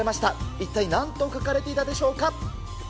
一体なんと書かれていたでしょうか。